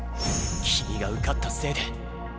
君が受かったせいで。